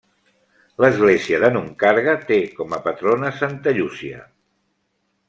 L'església de Nuncarga té com a patrona Santa Llúcia.